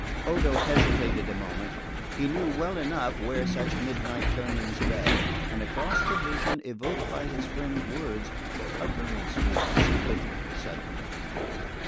Odo hesitated a moment. He knew well enough where such midnight turnings led, and across the vision evoked by his friend's words a girl's face flitted suddenly.